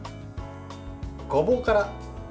ごぼうから。